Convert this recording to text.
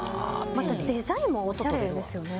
デザインもおしゃれですよね。